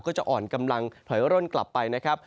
ก็จะอ่อนกำลังถอยร่นกลับไปนะครับ